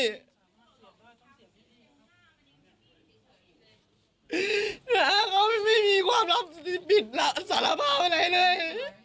นะครับเขาไม่มีความลับสิทธิ์ผิดสารภาพอะไรเลย